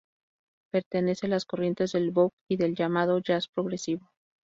Pertenece a las corrientes del bop y del llamado "jazz progresivo".